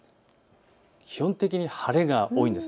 基本的に晴れが多いんです。